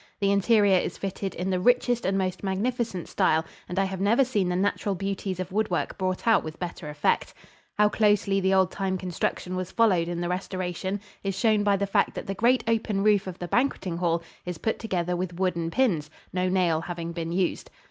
The interior is fitted in the richest and most magnificent style, and I have never seen the natural beauties of woodwork brought out with better effect. How closely the old time construction was followed in the restoration is shown by the fact that the great open roof of the banqueting hall is put together with wooden pins, no nail having been used.